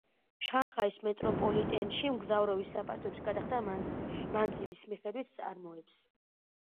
შანხაის მეტროპოლიტენში მგზავრობის საფასურის გადახდა მანძილის მიხედვით წარმოებს.